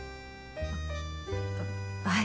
ああはい。